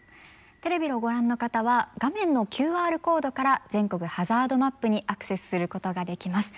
テレビをご覧の方は画面のＱＲコードから全国ハザードマップにアクセスすることができます。